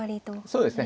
そうですね。